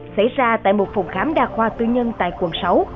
xảy ra tại một phòng khám đa khoa tư nhân tại quận sáu